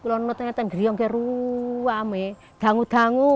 kulon nonton ngeriong ke ruwa meh dangu dangu